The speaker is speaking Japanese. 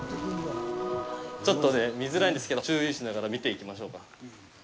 ちょっと見づらいんですけど注意しながら見ていきましょうか。